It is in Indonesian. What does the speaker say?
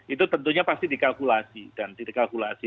itu tentunya pasti dikalkulasi dan dikalkulasi